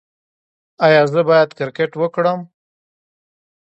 ایا زه باید کرکټ وکړم؟